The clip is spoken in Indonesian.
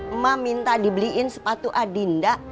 emak minta dibeliin sepatu adinda